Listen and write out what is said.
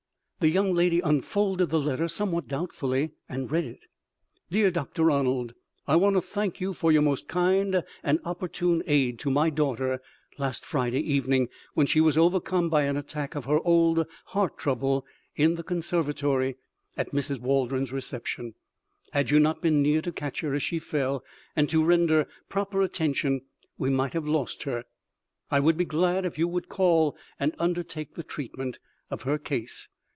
The young lady unfolded the letter; somewhat doubtfully, and read it. Dear Dr. Arnold: I want to thank you for your most kind and opportune aid to my daughter last Friday evening, when she was overcome by an attack of her old heart trouble in the conservatory at Mrs. Waldron's reception. Had you not been near to catch her as she fell and to render proper attention, we might have lost her. I would be glad if you would call and undertake the treatment of her case.